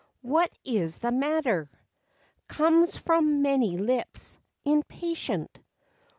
u What is the matter ?" Comes from many lips, impatient.